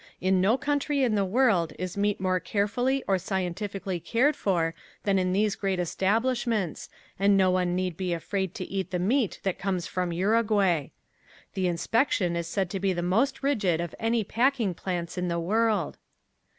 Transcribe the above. In no country in the world is meat more carefully or scientifically cared for than in these great establishments and no one need be afraid to eat the meat that comes from Uruguay. The inspection is said to be the most rigid of any packing plants in the world.